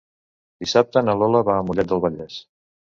Dissabte na Lola va a Mollet del Vallès.